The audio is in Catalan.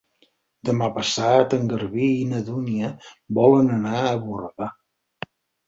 Demà passat en Garbí i na Dúnia volen anar a Borredà.